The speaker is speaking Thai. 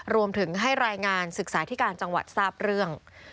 รวมถึงให้รายงานศึกษาธิการจังหวัดทราบเรื่อง